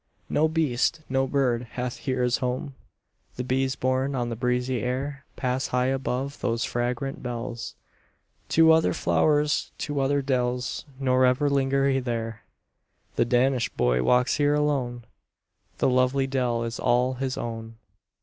No beast, no bird hath here his home; The bees borne on the breezy air Pass high above those fragrant bells To other flowers, to other dells. Nor ever linger there. The Danish Boy walks here alone: The lovely dell is all his own.